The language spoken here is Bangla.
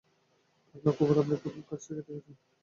পাগলা কুকুর আপনি খুব কাছ থেকে দেখেছেন।